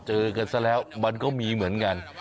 เจอกันซะแล้วมันก็มีเหมือนกัน